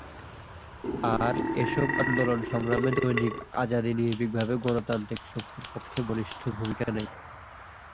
আর এসব আন্দোলন-সংগ্রামে দৈনিক আজাদী নির্ভিকভাবে গণতান্ত্রিক শক্তির পক্ষে বলিষ্ঠ ভূমিকা নেয়।